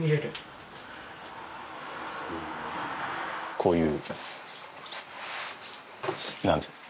こういう。